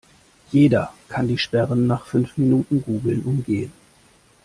Jeder kann die Sperren nach fünf Minuten Googlen umgehen.